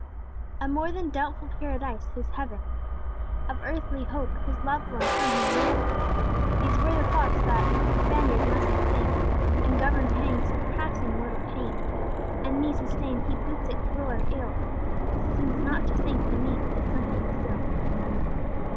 ....*....*....*....* A more than doubtful Paradise, his heaven Of earthly hope, his loved one from him riven. These were the thoughts that [Spaniard] must sustain And govern pangs surpassing mortal pain, And these sustained he, boots it well or ill, Since not to sink beneath is something still."